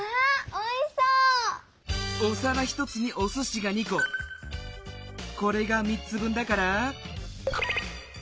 おさら１つにおすしが２ここれが３つ分だから。